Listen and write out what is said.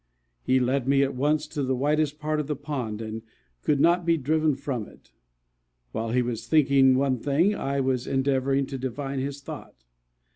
He led me at once to the widest part of the pond, and could not be driven from it. While he was thinking one thing, I was endeavoring to divine his thought.